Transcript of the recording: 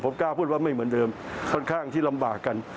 ผมกล้าพูดว่าไม่เหมือนเดิมค่อนข้างที่ลำบากกัน